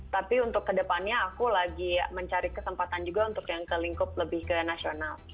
tapi untuk kedepannya aku lagi mencari kesempatan juga untuk yang ke lingkup lebih ke nasional